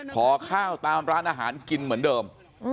ขอข้าวตามร้านอาหารกินเหมือนเดิม